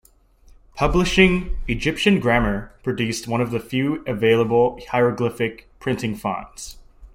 Publishing "Egyptian Grammar" produced one of the few available hieroglyphic printing fonts.